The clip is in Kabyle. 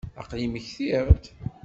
Aql-i mmektiɣ-d.